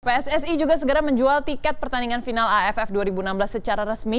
pssi juga segera menjual tiket pertandingan final aff dua ribu enam belas secara resmi